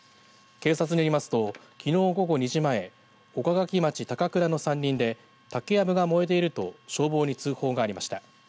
警察によりますときのう午後２時前岡垣町高倉の山林で竹やぶが燃えていると消防に通報がありました。